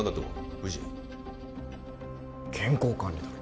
藤井健康管理だろ